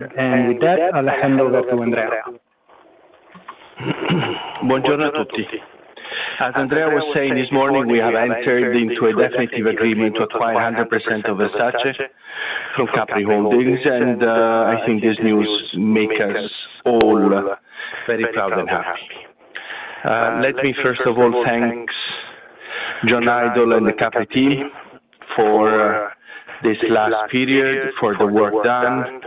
With that, I'll hand over to Andrea. As Andrea was saying, this morning we have entered into a definitive agreement to acquire 100% of Versace from Capri Holdings, and I think this news makes us all very proud and happy. Let me, first of all, thank John Idol and the Capri team for this last period, for the work done,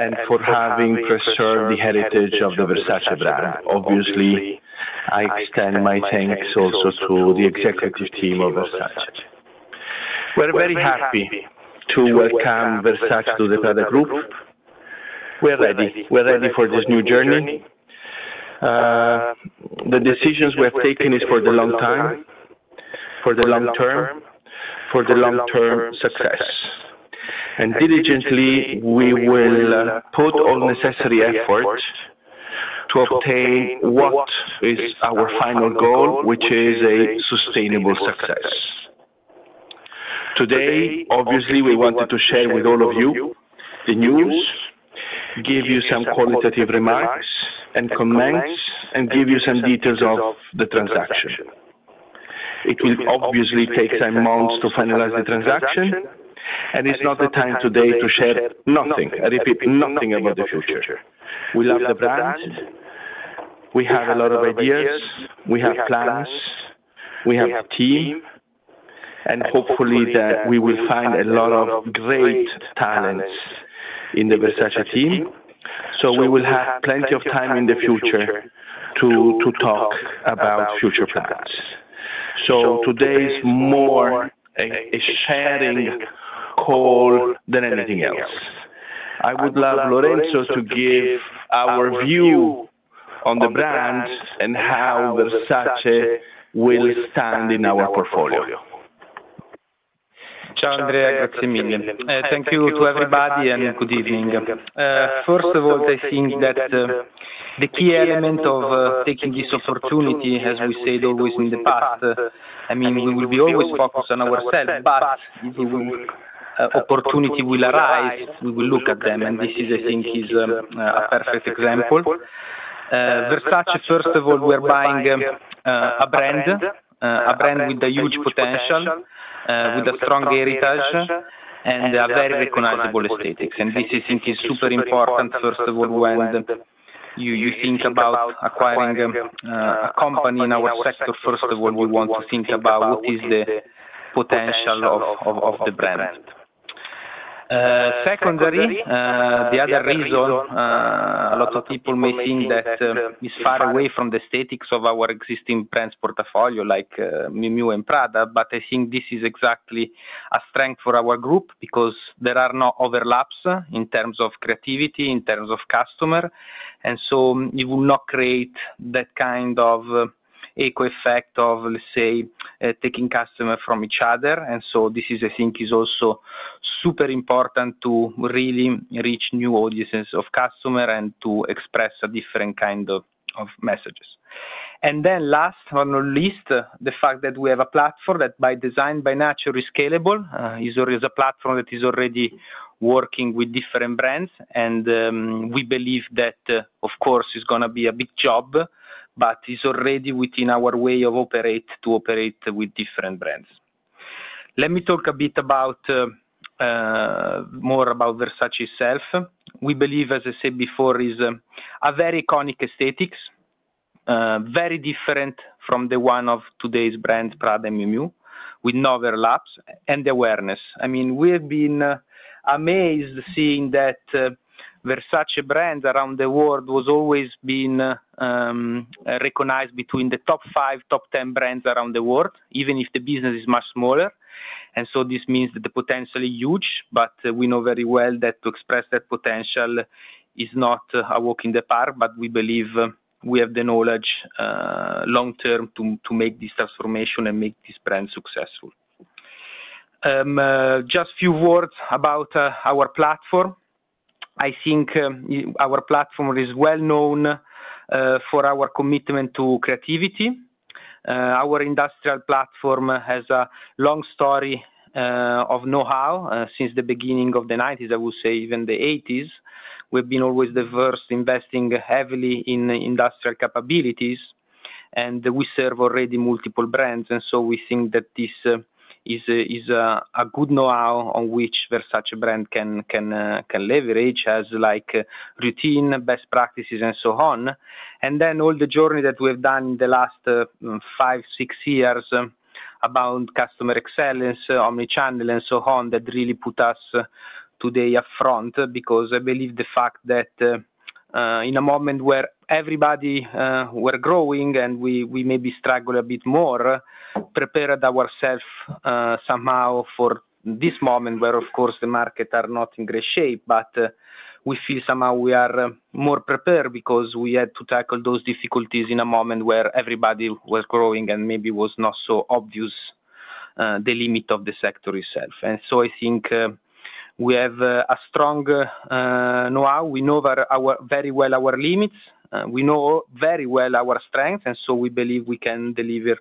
and for having preserved the heritage of the Versace brand. Obviously, I extend my thanks also to the executive team of Versace. We're very happy to welcome Versace to the Prada Group. We're ready. We're ready for this new journey. The decisions we have taken are for the long term, for the long term, for the long term success. Diligently, we will put all necessary efforts to obtain what is our final goal, which is a sustainable success. Today, obviously, we wanted to share with all of you the news, give you some qualitative remarks and comments, and give you some details of the transaction. It will obviously take some months to finalize the transaction, and it's not the time today to share nothing. I repeat, nothing about the future. We love the brand. We have a lot of ideas. We have plans. We have a team. Hopefully, we will find a lot of great talents in the Versace team. We will have plenty of time in the future to talk about future plans. Today is more a sharing call than anything else. I would love Lorenzo to give our view on the brand and how Versace will stand in our portfolio. Ciao Andrea, grazie mille. Thank you to everybody and good evening. First of all, I think that the key element of taking this opportunity, as we said always in the past, I mean, we will be always focused on ourselves, but the opportunity will arise, we will look at them, and this is, I think, a perfect example. Versace, first of all, we are buying a brand, a brand with a huge potential, with a strong heritage, and a very recognizable aesthetic. This is, I think, super important, first of all, when you think about acquiring a company in our sector. First of all, we want to think about what is the potential of the brand. Secondly, the other reason a lot of people may think that it's far away from the aesthetics of our existing brands portfolio, like Miu Miu and Prada, but I think this is exactly a strength for our group because there are no overlaps in terms of creativity, in terms of customer, and it will not create that kind of echo effect of, let's say, taking customers from each other. I think this is also super important to really reach new audiences of customers and to express a different kind of messages. Last but not least, the fact that we have a platform that, by design, by nature, is scalable. It's always a platform that is already working with different brands, and we believe that, of course, it's going to be a big job, but it's already within our way of operating to operate with different brands. Let me talk a bit more about Versace itself. We believe, as I said before, it's a very iconic aesthetic, very different from the one of today's brands, Prada and Miu Miu, with no overlaps, and the awareness. I mean, we have been amazed seeing that Versace brands around the world have always been recognized between the top five, top ten brands around the world, even if the business is much smaller. This means that the potential is huge, but we know very well that to express that potential is not a walk in the park, but we believe we have the knowledge long term to make this transformation and make this brand successful. Just a few words about our platform. I think our platform is well known for our commitment to creativity. Our industrial platform has a long story of know-how since the beginning of the 1990s, I would say even the 1980s. We have always been the first investing heavily in industrial capabilities, and we serve already multiple brands, and we think that this is a good know-how on which Versace brand can leverage as routine, best practices, and so on. All the journey that we have done in the last five, six years about customer excellence, omnichannel, and so on, that really put us today upfront because I believe the fact that in a moment where everybody was growing and we maybe struggled a bit more, prepared ourselves somehow for this moment where, of course, the markets are not in great shape, but we feel somehow we are more prepared because we had to tackle those difficulties in a moment where everybody was growing and maybe was not so obvious the limit of the sector itself. I think we have a strong know-how. We know very well our limits. We know very well our strengths, and we believe we can deliver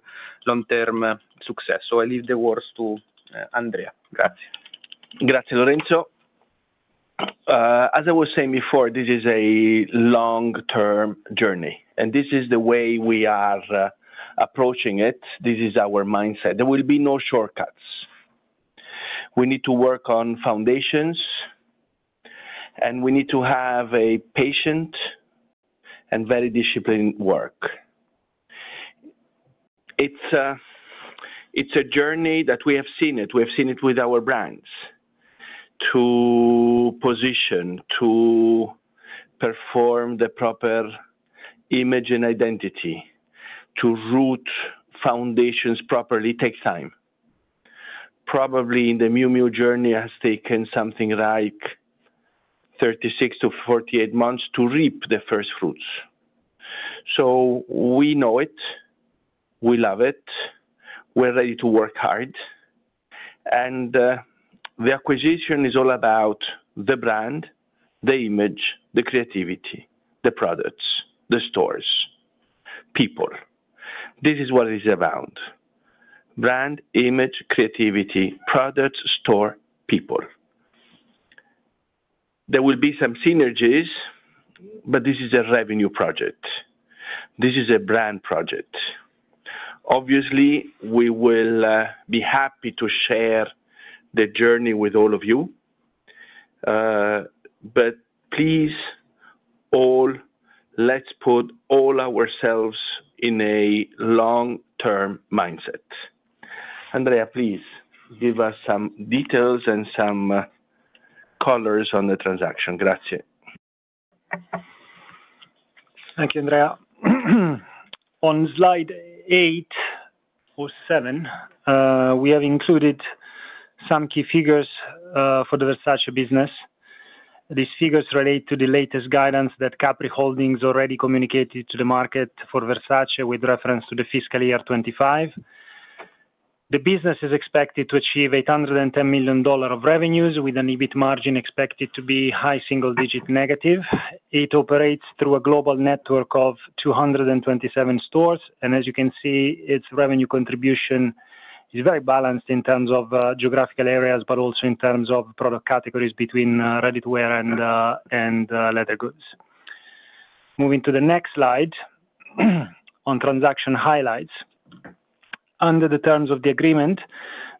long-term success. I leave the words to Andrea. Grazie. Grazie, Lorenzo. As I was saying before, this is a long-term journey, and this is the way we are approaching it. This is our mindset. There will be no shortcuts. We need to work on foundations, and we need to have a patient and very disciplined work. It's a journey that we have seen it. We have seen it with our brands. To position, to perform the proper image and identity, to root foundations properly takes time. Probably in the Miu Miu journey, it has taken something like 36-48 months to reap the first fruits. We know it. We love it. We're ready to work hard. The acquisition is all about the brand, the image, the creativity, the products, the stores, people. This is what it is about. Brand, image, creativity, products, store, people. There will be some synergies, but this is a revenue project. This is a brand project. Obviously, we will be happy to share the journey with all of you, but please all, let's put all ourselves in a long-term mindset. Andrea, please give us some details and some colors on the transaction. Grazie. Thank you, Andrea. On Slide 8 or 7, we have included some key figures for the Versace business. These figures relate to the latest guidance that Capri Holdings already communicated to the market for Versace with reference to the fiscal year 2025. The business is expected to achieve $810 million of revenues, with an EBIT margin expected to be high single-digit negative. It operates through a global network of 227 stores, and as you can see, its revenue contribution is very balanced in terms of geographical areas, but also in terms of product categories between ready-to-wear and leather goods. Moving to the next slide on transaction highlights. Under the terms of the agreement,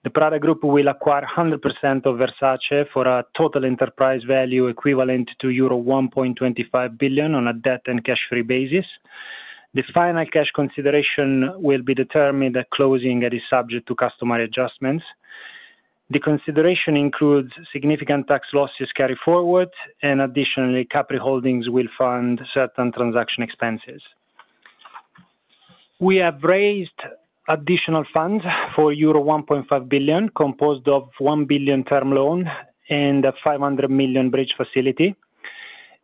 the Prada Group will acquire 100% of Versace for a total enterprise value equivalent to euro 1.25 billion on a debt and cash free basis. The final cash consideration will be determined at closing and is subject to customary adjustments. The consideration includes significant tax losses carried forward, and additionally, Capri Holdings will fund certain transaction expenses. We have raised additional funds for euro 1.5 billion, composed of 1 billion term loan and a 500 million bridge facility.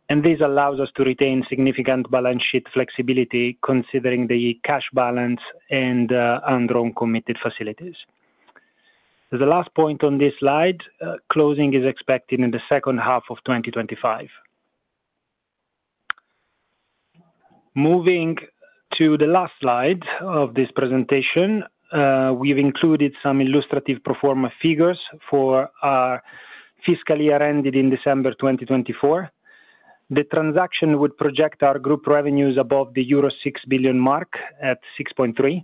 This allows us to retain significant balance sheet flexibility considering the cash balance and undrawn committed facilities. As the last point on this slide, closing is expected in the second half of 2025. Moving to the last slide of this presentation, we've included some illustrative pro forma figures for our fiscal year ended in December 2024. The transaction would project our group revenues above the euro 6 billion mark at 6.3.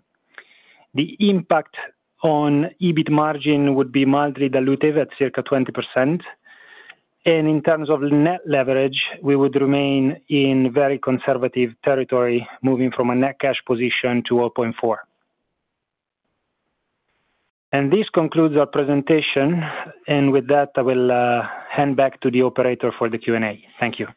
The impact on EBIT margin would be mildly dilutive at circa 20%. In terms of net leverage, we would remain in very conservative territory, moving from a net cash position to 0.4. This concludes our presentation, and with that, I will hand back to the operator for the Q&A. Thank you.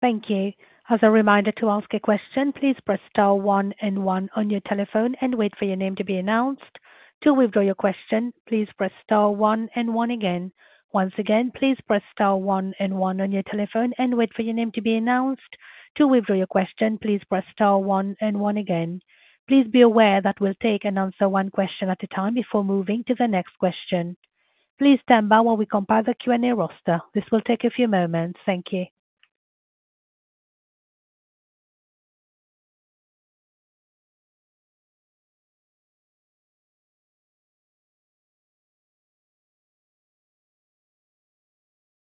Thank you. As a reminder to ask a question, please press star one and one on your telephone and wait for your name to be announced. To withdraw your question, please press star one and one again. Once again, please press star one and one on your telephone and wait for your name to be announced. To withdraw your question, please press star one and one again. Please be aware that we'll take and answer one question at a time before moving to the next question. Please stand by while we compile the Q&A roster. This will take a few moments. Thank you.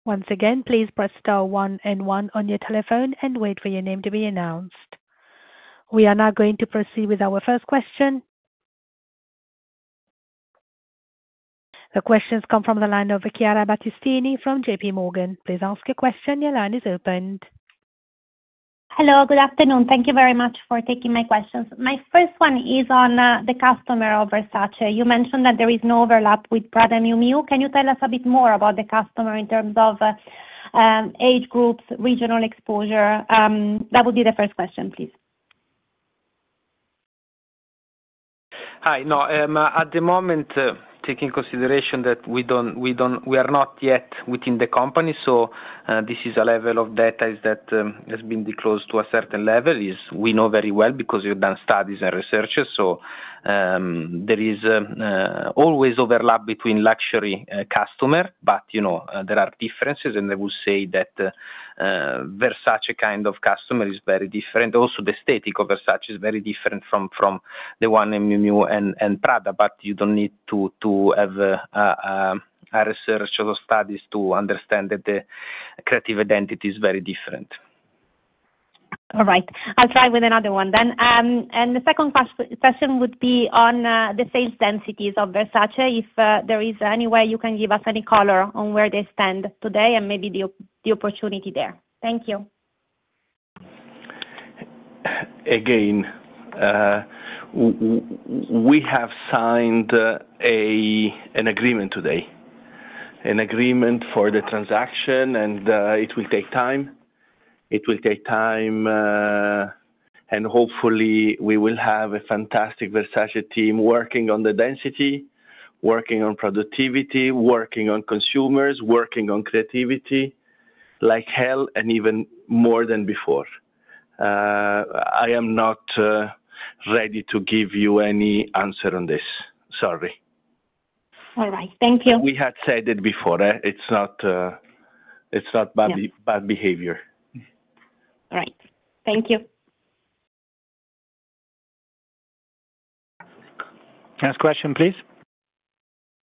Once again, please press star one and one on your telephone and wait for your name to be announced. We are now going to proceed with our first question. The questions come from the line of Chiara Battistini from J.P. Morgan. Please ask a question. Your line is opened. Hello, good afternoon. Thank you very much for taking my questions. My first one is on the customer of Versace. You mentioned that there is no overlap with Prada and Miu Miu. Can you tell us a bit more about the customer in terms of age groups, regional exposure? That would be the first question, please. Hi. No, at the moment, taking consideration that we are not yet within the company, this is a level of data that has been disclosed to a certain level. We know very well because we've done studies and research. There is always overlap between luxury customers, but there are differences, and I would say that Versace kind of customer is very different. Also, the aesthetic of Versace is very different from the one in Miu Miu and Prada, but you don't need to have research or studies to understand that the creative identity is very different. All right. I'll try with another one then. The second question would be on the sales densities of Versace. If there is any way you can give us any color on where they stand today and maybe the opportunity there. Thank you. Again, we have signed an agreement today, an agreement for the transaction, and it will take time. It will take time, and hopefully, we will have a fantastic Versace team working on the density, working on productivity, working on consumers, working on creativity like hell and even more than before. I am not ready to give you any answer on this. Sorry. All right. Thank you. We had said it before. It's not bad behavior. All right. Thank you. Next question, please.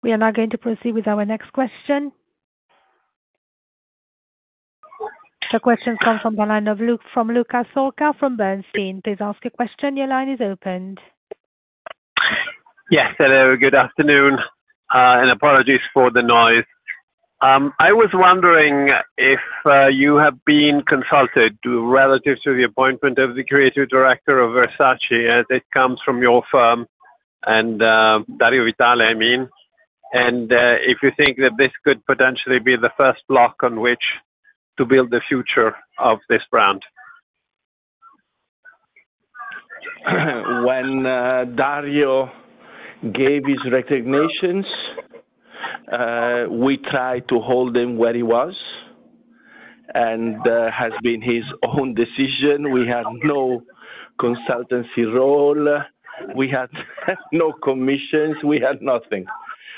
We are now going to proceed with our next question. The questions come from the line of Luca Solca from Bernstein. Please ask a question. Your line is opened. Yes. Hello, good afternoon, and apologies for the noise. I was wondering if you have been consulted relative to the appointment of the creative director of Versace as it comes from your firm and Dario Vitale, I mean, and if you think that this could potentially be the first block on which to build the future of this brand. When Dario gave his resignations, we tried to hold him where he was, and it has been his own decision. We had no consultancy role. We had no commissions. We had nothing.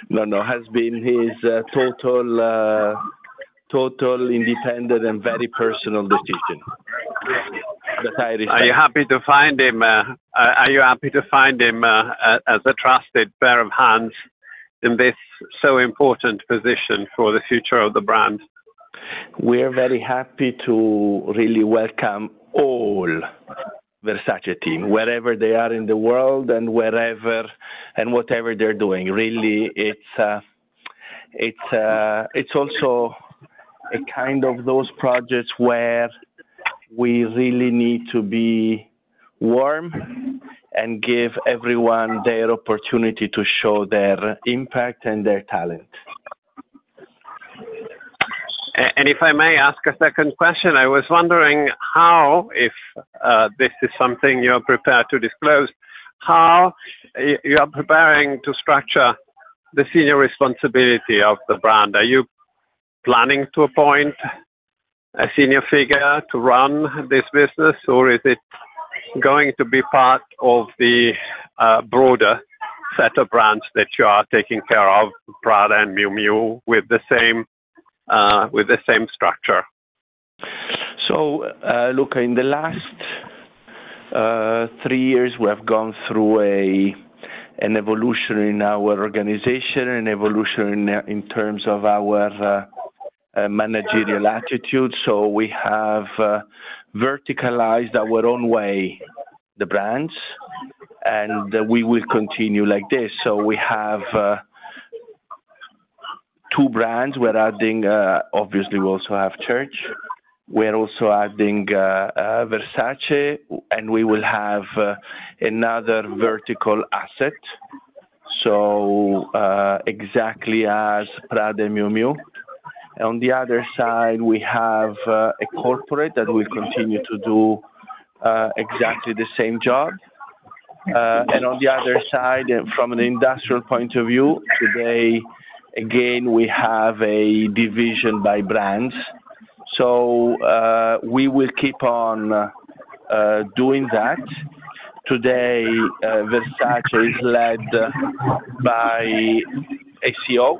No, no. It has been his total independent and very personal decision that I received. Are you happy to find him? Are you happy to find him as a trusted pair of hands in this so important position for the future of the brand? We are very happy to really welcome all Versace team, wherever they are in the world and whatever they're doing. Really, it's also a kind of those projects where we really need to be warm and give everyone their opportunity to show their impact and their talent. If I may ask a second question, I was wondering how, if this is something you are prepared to disclose, how you are preparing to structure the senior responsibility of the brand. Are you planning to appoint a senior figure to run this business, or is it going to be part of the broader set of brands that you are taking care of, Prada and Miu Miu, with the same structure? Luca, in the last three years, we have gone through an evolution in our organization, an evolution in terms of our managerial attitude. We have verticalized our own way, the brands, and we will continue like this. We have two brands. We're adding, obviously, we also have Church's. We're also adding Versace, and we will have another vertical asset. Exactly as Prada and Miu Miu. On the other side, we have a corporate that will continue to do exactly the same job. On the other side, from an industrial point of view, today, again, we have a division by brands. We will keep on doing that. Today, Versace is led by CEO.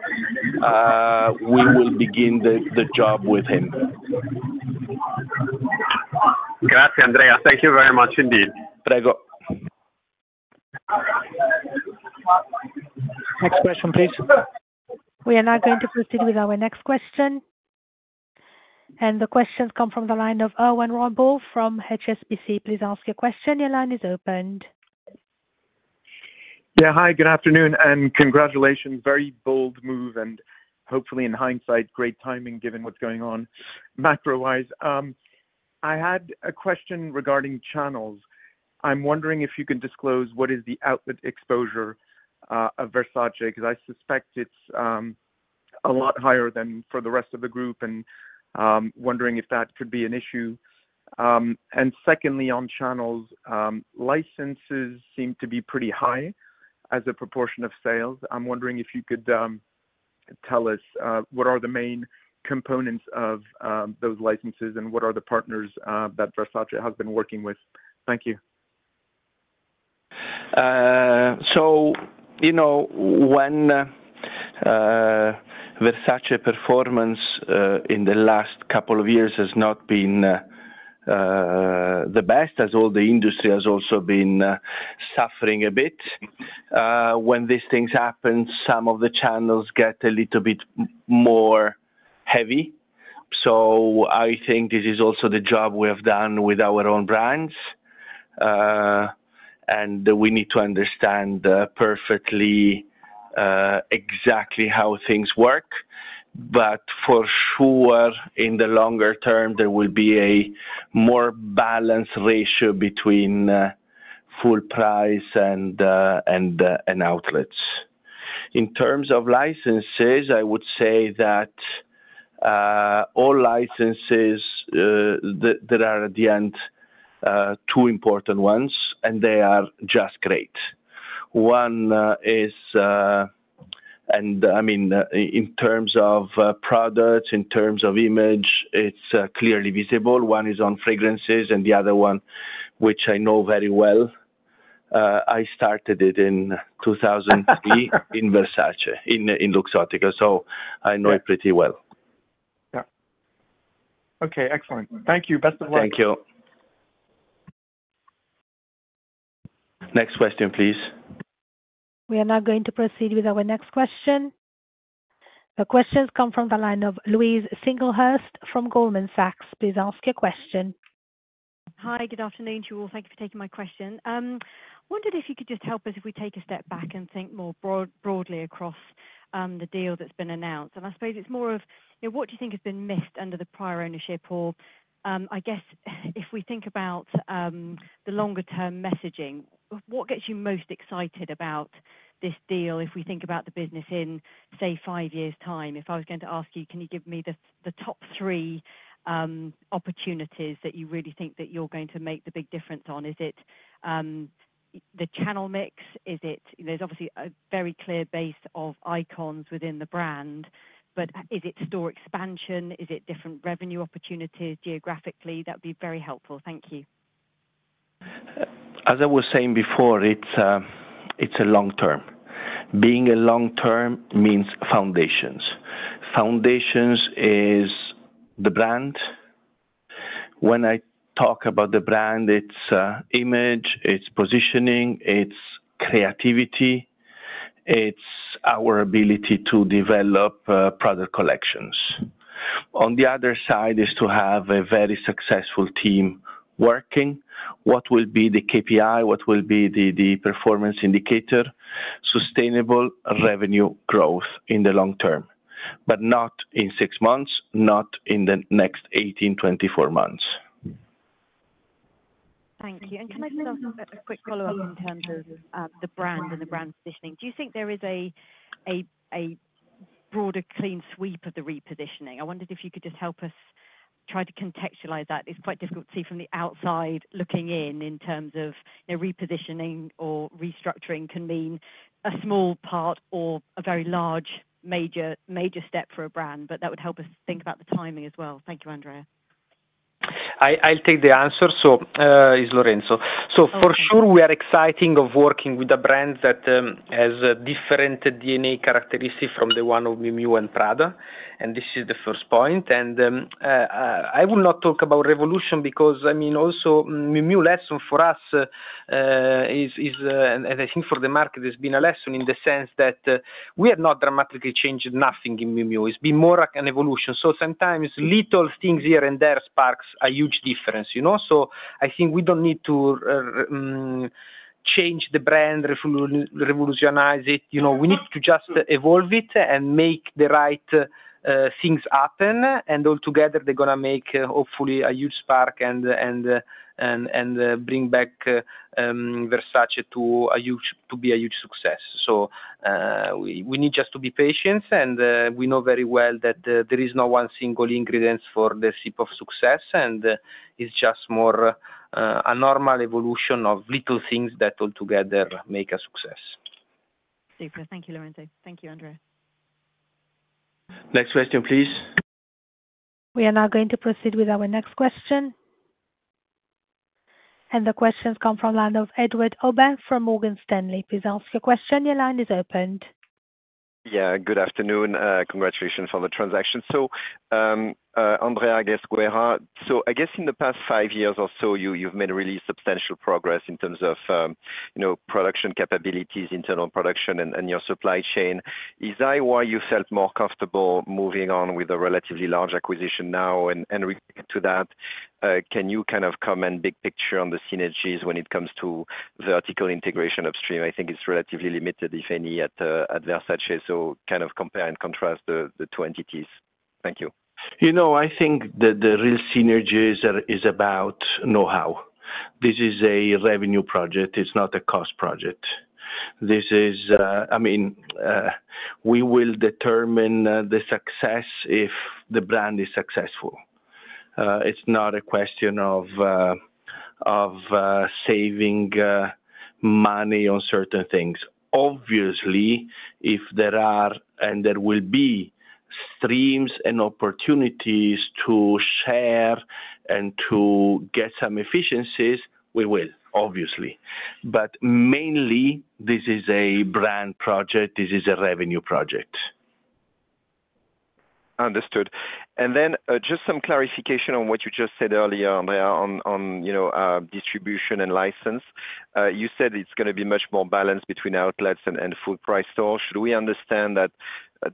We will begin the job with him. Grazie, Andrea. Thank you very much indeed. Prego. Next question, please. We are now going to proceed with our next question. The questions come from the line of Erwan Rambourg from HSBC. Please ask a question. Your line is opened. Yeah. Hi, good afternoon, and congratulations. Very bold move, and hopefully, in hindsight, great timing given what's going on macro-wise. I had a question regarding channels. I'm wondering if you can disclose what is the outlet exposure of Versace because I suspect it's a lot higher than for the rest of the group, and wondering if that could be an issue. Secondly, on channels, licenses seem to be pretty high as a proportion of sales. I'm wondering if you could tell us what are the main components of those licenses and what are the partners that Versace has been working with. Thank you. When Versace performance in the last couple of years has not been the best, as all the industry has also been suffering a bit, when these things happen, some of the channels get a little bit more heavy. I think this is also the job we have done with our own brands, and we need to understand perfectly exactly how things work. For sure, in the longer term, there will be a more balanced ratio between full price and outlets. In terms of licenses, I would say that all licenses that are at the end, two important ones, and they are just great. One is, and I mean, in terms of products, in terms of image, it's clearly visible. One is on fragrances, and the other one, which I know very well, I started it in 2003 in Versace in Luxottica. I know it pretty well. Yeah. Okay. Excellent. Thank you. Best of luck. Thank you. Next question, please. We are now going to proceed with our next question. The questions come from the line of Louise Singlehurst from Goldman Sachs. Please ask your question. Hi, good afternoon to you all. Thank you for taking my question. I wondered if you could just help us if we take a step back and think more broadly across the deal that's been announced. I suppose it's more of what do you think has been missed under the prior ownership? If we think about the longer-term messaging, what gets you most excited about this deal if we think about the business in, say, five years' time? If I was going to ask you, can you give me the top three opportunities that you really think that you're going to make the big difference on? Is it the channel mix? There's obviously a very clear base of icons within the brand, but is it store expansion? Is it different revenue opportunities geographically? That would be very helpful. Thank you. As I was saying before, it's a long-term. Being a long-term means foundations. Foundations is the brand. When I talk about the brand, it's image, it's positioning, it's creativity, it's our ability to develop product collections. On the other side is to have a very successful team working. What will be the KPI? What will be the performance indicator? Sustainable revenue growth in the long term, but not in six months, not in the next 18 to 24 months. Thank you. Can I just ask a quick follow-up in terms of the brand and the brand positioning? Do you think there is a broader clean sweep of the repositioning? I wondered if you could just help us try to contextualize that. It's quite difficult to see from the outside looking in in terms of repositioning or restructuring can mean a small part or a very large major step for a brand, but that would help us think about the timing as well. Thank you, Andrea. I'll take the answer. It's Lorenzo. For sure, we are excited about working with a brand that has different DNA characteristics from the one of Miu Miu and Prada. This is the first point. I will not talk about revolution because, I mean, also Miu Miu lesson for us is, and I think for the market, has been a lesson in the sense that we have not dramatically changed nothing in Miu Miu. It's been more like an evolution. Sometimes little things here and there spark a huge difference. I think we don't need to change the brand, revolutionize it. We need to just evolve it and make the right things happen. Altogether, they're going to make, hopefully, a huge spark and bring back Versace to be a huge success. We need just to be patient, and we know very well that there is no one single ingredient for the seed of success, and it's just more a normal evolution of little things that altogether make a success. Super. Thank you, Lorenzo. Thank you, Andrea. Next question, please. We are now going to proceed with our next question. The questions come from the line of Edouard Aubin from Morgan Stanley. Please ask your question. Your line is opened. Yeah. Good afternoon. Congratulations on the transaction. Andrea, I guess in the past five years or so, you've made really substantial progress in terms of production capabilities, internal production, and your supply chain. Is that why you felt more comfortable moving on with a relatively large acquisition now? To that, can you kind of comment big picture on the synergies when it comes to vertical integration upstream? I think it's relatively limited, if any, at Versace. Kind of compare and contrast the two entities. Thank you. I think that the real synergy is about know-how. This is a revenue project. It's not a cost project. I mean, we will determine the success if the brand is successful. It's not a question of saving money on certain things. Obviously, if there are and there will be streams and opportunities to share and to get some efficiencies, we will, obviously. Mainly, this is a brand project. This is a revenue project. Understood. Just some clarification on what you said earlier, Andrea, on distribution and license. You said it is going to be much more balanced between outlets and full-price stores. Should we understand that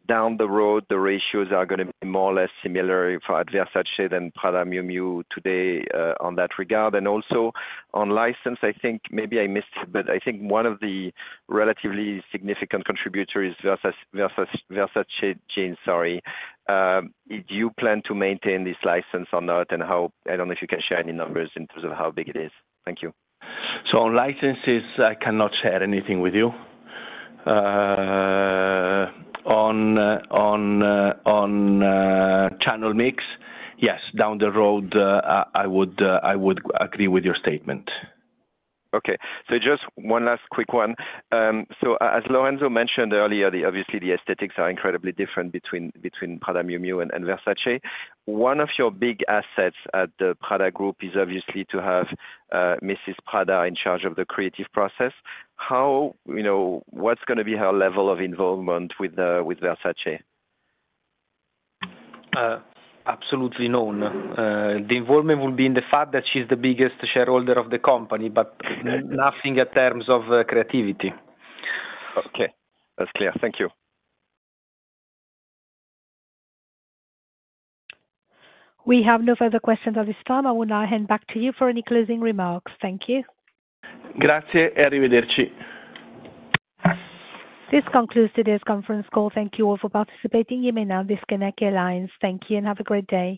down the road, the ratios are going to be more or less similar for Versace than Prada and Miu Miu today in that regard? Also on license, I think maybe I missed it, but I think one of the relatively significant contributors is Versace Jeans. Sorry. Do you plan to maintain this license or not? I do not know if you can share any numbers in terms of how big it is. Thank you. On licenses, I cannot share anything with you. On channel mix, yes. Down the road, I would agree with your statement. Okay. Just one last quick one. As Lorenzo mentioned earlier, obviously, the aesthetics are incredibly different between Prada and Miu Miu and Versace. One of your big assets at the Prada Group is obviously to have Mrs. Prada in charge of the creative process. What's going to be her level of involvement with Versace? Absolutely known. The involvement will be in the fact that she's the biggest shareholder of the company, but nothing in terms of creativity. Okay. That's clear. Thank you. We have no further questions at this time. I will now hand back to you for any closing remarks. Thank you. Grazie e arrivederci. This concludes today's conference call. Thank you all for participating. You may now disconnect your lines. Thank you and have a great day.